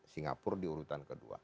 singapura diurutan ke dua